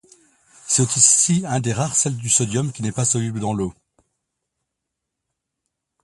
C'est aussi un des rares sels du sodium qui n'est pas soluble dans l'eau.